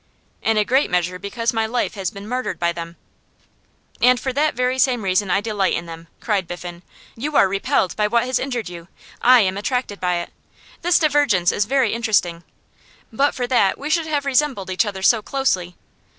'In a great measure because my life has been martyred by them.' 'And for that very same reason I delight in them,' cried Biffen. 'You are repelled by what has injured you; I am attracted by it. This divergence is very interesting; but for that, we should have resembled each other so closely.